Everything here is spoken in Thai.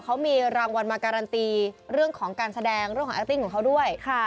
เขามีรางวัลมาการันตีเรื่องของการแสดงเรื่องของแอคติ้งของเขาด้วย